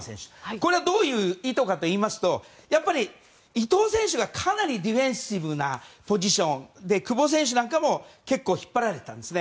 これはどういう意図かといいますとやっぱり伊東選手がかなりディフェンシブなポジションで久保選手なんかも結構引っ張られたんですね。